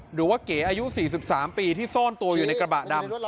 หรือว่าเก๋อายุ๔๓ปีที่ซ่อนตัวอยู่ในกระบะดำ